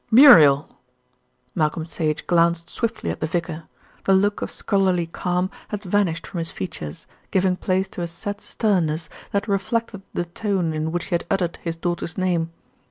"Muriel!" Malcolm Sage glanced swiftly at the vicar. The look of scholarly calm had vanished from his features, giving place to a set sternness that reflected the tone in which he had uttered his daughter's name.